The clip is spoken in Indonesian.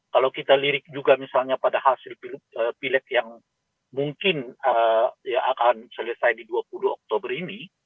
kalau kita lirik juga misalnya pada hasil pileg yang mungkin akan selesai di dua puluh dua oktober ini